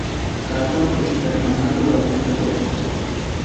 তারপর তিনি তা ঠাণ্ডা করে অপেক্ষা করেন।